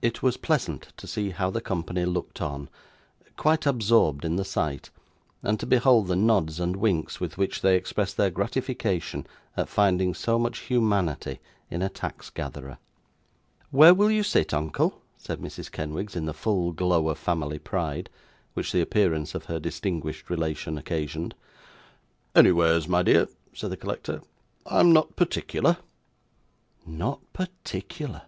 It was pleasant to see how the company looked on, quite absorbed in the sight, and to behold the nods and winks with which they expressed their gratification at finding so much humanity in a tax gatherer. 'Where will you sit, uncle?' said Mrs. Kenwigs, in the full glow of family pride, which the appearance of her distinguished relation occasioned. 'Anywheres, my dear,' said the collector, 'I am not particular.' Not particular!